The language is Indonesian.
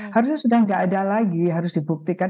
harusnya sudah tidak ada lagi harus dibuktikan